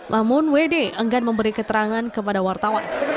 namun wd enggan memberi keterangan kepada wartawan